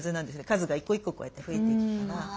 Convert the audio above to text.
数が一個一個こうやって増えていくから。